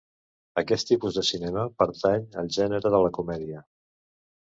Aquest tipus de cinema pertany al gènere de la comèdia.